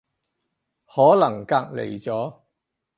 可能隔離咗